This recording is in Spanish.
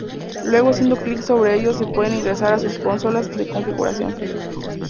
Luego haciendo clic sobre ellos se puede ingresar a sus consolas de configuración.